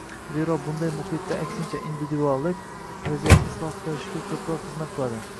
Zero, bunday muhitda aksincha – individuallik vaziyatni isloh qilishga ko‘proq xizmat qiladi.